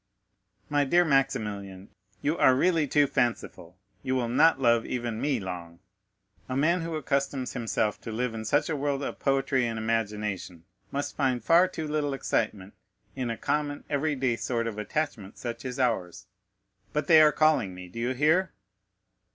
"My dear Maximilian, you are really too fanciful; you will not love even me long. A man who accustoms himself to live in such a world of poetry and imagination must find far too little excitement in a common, every day sort of attachment such as ours. But they are calling me. Do you hear?"